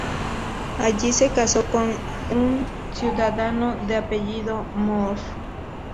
Allí se caso con un ciudadano de apellido "Moor".